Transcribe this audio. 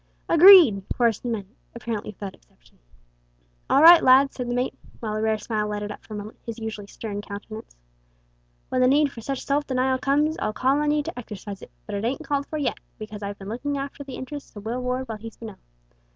"Agreed," chorused the men, apparently without exception. "All right, lads," said the mate, while a rare smile lighted up for a moment his usually stern countenance; "when the need for such self denial comes I'll call on ye to exercise it, but it ain't called for yet, because I've been lookin' after the interests o' Will Ward while he's been ill.